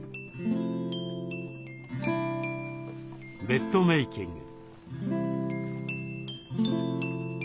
ベッドメーキング。